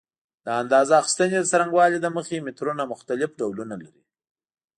د اندازه اخیستنې د څرنګوالي له مخې مترونه مختلف ډولونه لري.